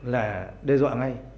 là đe dọa ngay